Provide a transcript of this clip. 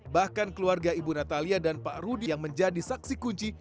bahkan keluarga ibu natalia dan pak rudi yang menjadi saksi kunci